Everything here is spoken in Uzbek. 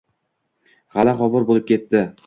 G’ala-g‘ovur bo‘lib ketdi.